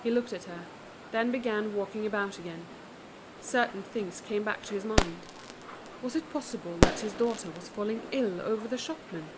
He looked at her, then began walking about again. Certain things came back to his mind. Was it possible that his daughter was falling ill over the shopman?